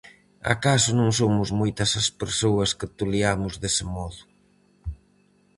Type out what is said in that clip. Acaso non somos moitas as persoas que toleamos dese modo?